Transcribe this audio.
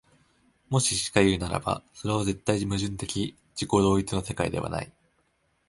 もししかいうならば、それは絶対矛盾的自己同一の世界ではない。